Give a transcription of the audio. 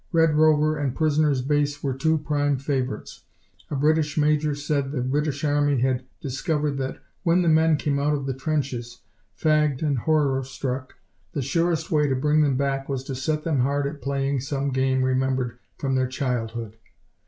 Red Rover and prisoner's base were two prime favorites. A British major said the British Army had discovered that when the men came out of the trenches, fagged and horror struck, the surest way to bring them back was to set them hard at playing some game remembered from their childhood.